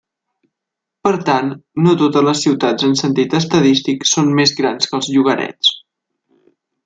Per tant, no totes les ciutats en sentit estadístic són més grans que els llogarets.